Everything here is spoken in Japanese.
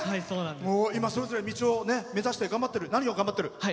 それぞれ道を目指して何を頑張ってる？